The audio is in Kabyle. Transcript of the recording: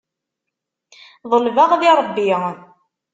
Ḍelbeɣ di Ṛebbi.